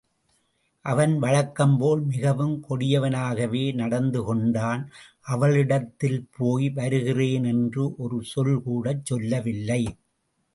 அவன் வழக்கம்போல் மிகவும் கொடியவனாகவே நடந்து கொண்டான் அவளிடத்தில் போய் வருகிறேன் என்று ஒரு சொல்கூடச் சொல்லவில்லை.